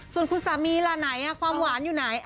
ส่วนคุณสามีล่ะไหนความหวานอยู่ไหน